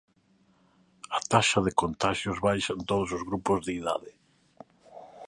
A taxa de contaxios baixa en todos os grupos de idade.